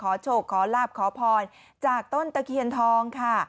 โชคขอลาบขอพรจากต้นตะเคียนทองค่ะ